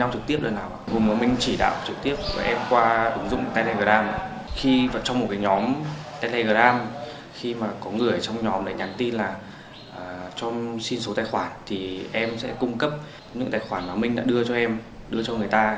có người ở trong nhóm này nhắn tin là trong xin số tài khoản thì em sẽ cung cấp những tài khoản mà minh đã đưa cho em đưa cho người ta